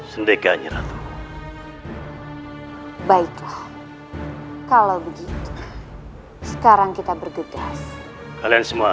sendeganya ratu baiklah kalau begitu sekarang kita bergegas kalian semua